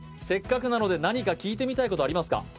せっかくなので何か聞いてみたいことありますか？